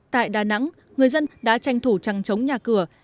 tại đà nẵng người dân đã tranh thủ trăng trống nhà cửa